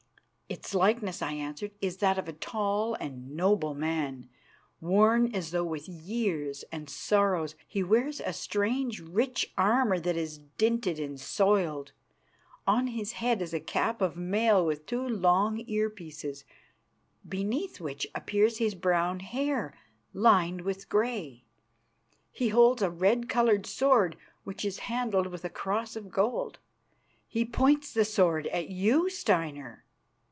"Its likeness," I answered, "is that of a tall and noble man, worn as though with years and sorrows. He wears strange rich armour that is dinted and soiled; on his head is a cap of mail with two long ear pieces, beneath which appears his brown hair lined with grey. He holds a red coloured sword which is handled with a cross of gold. He points the sword at you, Steinar.